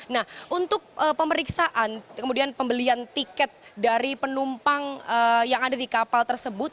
nah untuk pemeriksaan kemudian pembelian tiket dari penumpang yang ada di kapal tersebut